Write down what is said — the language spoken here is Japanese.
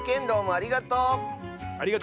ありがとう！